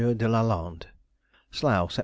DE LA LANDE. SLOUGH, _Sept.